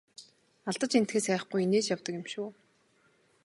Алдаж эндэхээс айхгүй инээж явдаг юм шүү!